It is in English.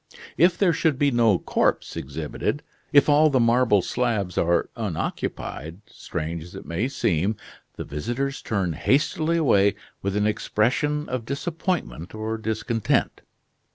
If there should be no corpse exhibited; if all the marble slabs are unoccupied, strange as it may seem, the visitors turn hastily away with an expression of disappointment or discontent.